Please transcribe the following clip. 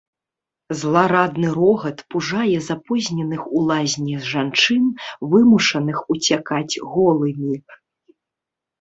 Зларадны рогат пужае запозненых у лазні жанчын, вымушаных уцякаць голымі.